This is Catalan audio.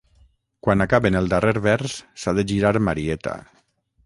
Quan acaben el darrer vers, s’ha de girar Marieta.